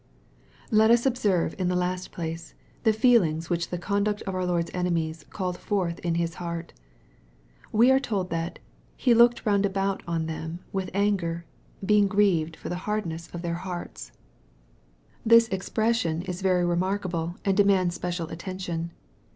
Let us observe, in the last place, the feelings ivhich the conduct of our Lord's enemies called forth in His heart. We are told that " He looked round about on them with anger, being grieved for the hardness of their hearts." MARK, CHAP. III. 47 This expression is very remarkable, and demands special attention.